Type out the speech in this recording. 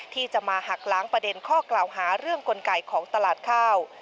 ที่จะมาหักล้างประเด็นข้อกล่าวหาเรื่องกลไกของตลาดข้าว